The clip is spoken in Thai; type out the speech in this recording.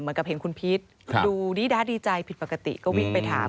เหมือนกับเห็นคุณพีชดูดีด้าดีใจผิดปกติก็วิ่งไปถาม